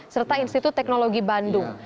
serta institut teknologi bandung